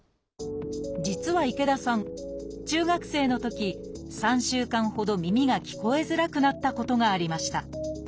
実は池田さん中学生のとき３週間ほど耳が聞こえづらくなったことがありました。